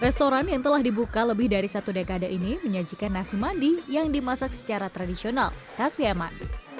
restoran yang telah dibuka lebih dari satu dekade ini menyajikan nasi mandi yang dimasak secara tradisional khas yemen